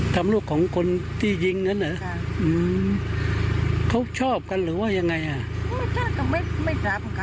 ทำลูกของคนที่ยิงนั้นเหรอเขาชอบกันหรือว่ายังไง